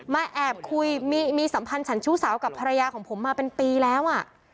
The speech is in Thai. แอบคุยมีสัมพันธ์ฉันชู้สาวกับภรรยาของผมมาเป็นปีแล้ว